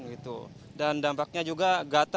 itu mah dampak mah